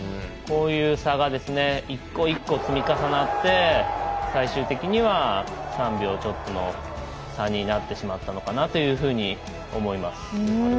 こういう差が１個１個積み重なって最終的には３秒少しの差になってしまったのかなというふうに思います。